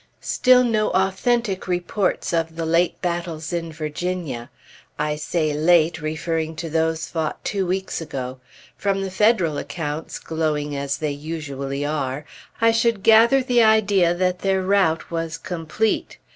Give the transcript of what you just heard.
Still no authentic reports of the late battles in Virginia. I say late, referring to those fought two weeks ago. From the Federal accounts, glowing as they usually are, I should gather the idea that their rout was complete.